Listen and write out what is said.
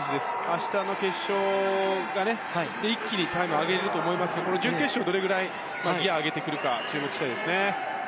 明日の決勝で一気にタイムを上げると思いますが準決勝、どれぐらいギアを上げてくるか注目したいですね。